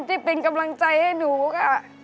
ที่เป็นกำลังใจให้หนูค่ะ